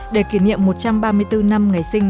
để kỷ niệm một trăm ba mươi bốn năm ngày sinh